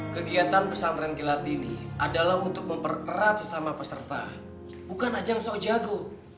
kegiatan pesantren kilat ini adalah untuk mempererat sesama peserta bukan aja yang sejago